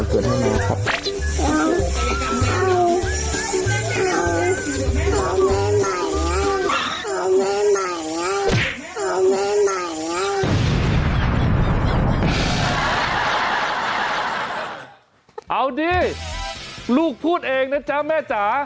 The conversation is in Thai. เอาดิลูกพูดเองนะจ๊ะแม่จ๋า